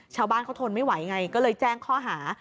ชาวบ้านเขาทนไม่ไหวไงก็เลยแจ้งข้อหา